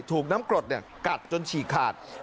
ถูกน้ำกรดกัดจนฉีกขาด